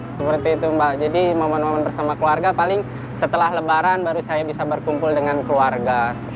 seperti itu mbak jadi momen momen bersama keluarga paling setelah lebaran baru saya bisa berkumpul dengan keluarga